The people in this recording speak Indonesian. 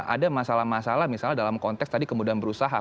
ada masalah masalah misalnya dalam konteks tadi kemudahan berusaha